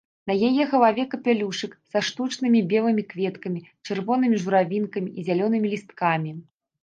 На яе галаве капялюшык са штучнымі белымі кветкамі, чырвонымі журавінкамі і зялёнымі лісткамі.